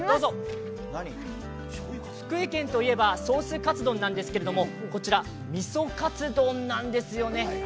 福井県といえば、ソースカツ丼なんですけど、こちら醤油カツ丼なんですよね。